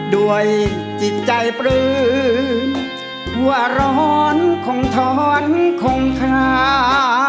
ด้วยจิตใจปลื้มหัวร้อนคงท้อนคงค้า